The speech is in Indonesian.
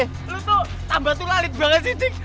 lu tuh tambah tuh lalit banget sih dik